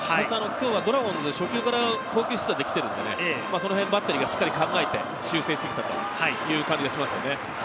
ドラゴンズは初球から好球必打で来ているので、バッテリーがしっかり考えて修正してきたという感じがします。